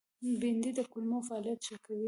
بېنډۍ د کولمو فعالیت ښه کوي